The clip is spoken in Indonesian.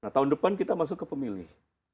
nah tahun depan kita masuk ke pemilih